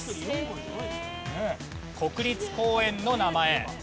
国立公園の名前。